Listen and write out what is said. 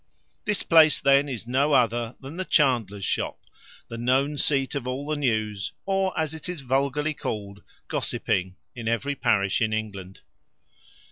This place then is no other than the chandler's shop, the known seat of all the news; or, as it is vulgarly called, gossiping, in every parish in England.